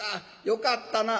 よかったな」。